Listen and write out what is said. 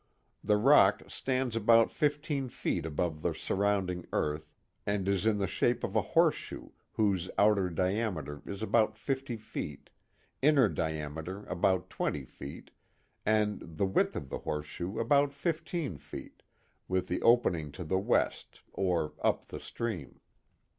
The rock stands about fifteen feet above the surrounding earth and is in the shape of a horseshoe whose outer diameter is about fif[y feet, inner diameter about twenty feet, and the width of the horseshoe about fifteen feet, with the opening to the west, or up the stream.